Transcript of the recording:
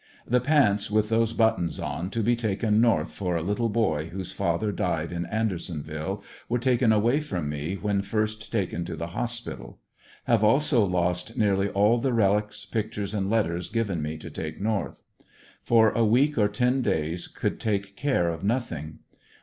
The pants with those buttons on to be taken North for a little boy whose father died in Andersonville, were taken away from me when first taken to the hospital. Have also lost nearly all the relics, pictures and letters given me to take North. For a week or ten days could take care of nothing.